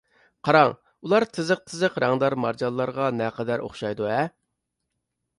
قاراڭ، ئۇلار تىزىق-تىزىق رەڭدار مارجانلارغا نەقەدەر ئوخشايدۇ-ھە!